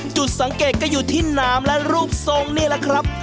จุดสังเกตก็อยู่ที่น้ำและรูปทรงนี่แหละครับ